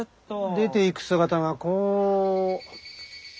出ていく姿がこう。